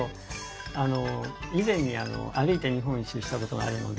あの以前に歩いて日本一周したことがあるので。